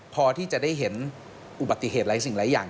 พอที่จะได้เห็นอุบัติเหตุหลายสิ่งหลายอย่าง